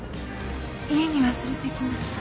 家に忘れてきました。